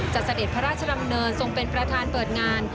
เสด็จพระราชดำเนินทรงเป็นประธานเปิดงาน